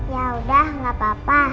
ya sudah tidak apa apa